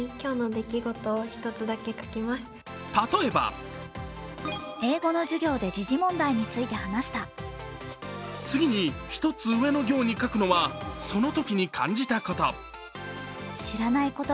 例えば次に１つ上の行に書くのはそのときに感じたこと。